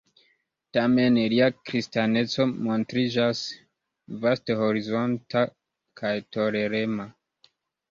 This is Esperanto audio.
Tamen lia kristaneco montriĝas vasthorizonta kaj tolerema.